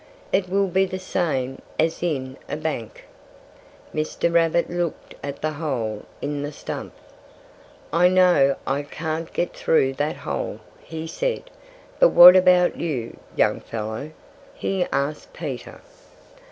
It will be the same as in a bank." Mr. Rabbit looked at the hole in the stump. "I know I can't get through that hole," he said. "But what about you, young fellow?" he asked Peter.